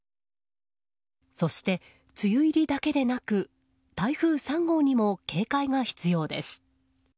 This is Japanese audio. そして、梅雨入りだけでなく台風３号にも警戒が必要です。